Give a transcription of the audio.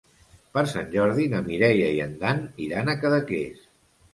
Per Sant Jordi na Mireia i en Dan iran a Cadaqués.